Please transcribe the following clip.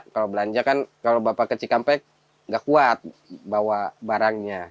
kalau belanja kan kalau bapak ke cikampek nggak kuat bawa barangnya